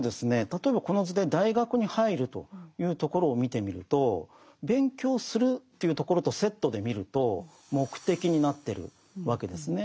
例えばこの図で大学に入るというところを見てみると勉強するというところとセットで見ると目的になってるわけですね。